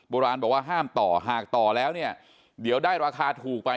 โบราณบอกว่าห้ามต่อหากต่อแล้วเนี่ยเดี๋ยวได้ราคาถูกไป